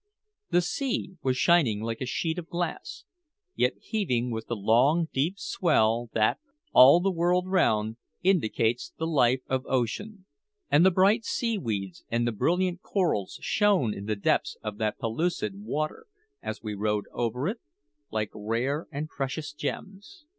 The sea was shining like a sheet of glass, yet heaving with the long, deep swell that, all the world round, indicates the life of Ocean; and the bright seaweeds and the brilliant corals shone in the depths of that pellucid water, as we rowed over it, like rare and precious gems.